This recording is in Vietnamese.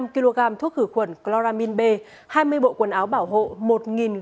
hai mươi năm kg thuốc khử khuẩn cloramin b hai mươi bộ quần áo bảo hộ